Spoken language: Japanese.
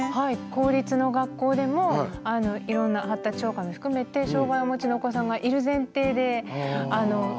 公立の学校でもいろんな発達障害も含めて障害をお持ちのお子さんがいる前提で設計されてて。